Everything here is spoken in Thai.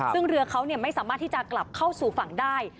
ซึ่งเรือเขาไม่สามารถที่จะกลับเข้าสู่ฝั่งได้